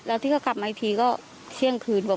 แล้วที่เขากลับมาอีกทีก็เชี่ยงคืนกว่า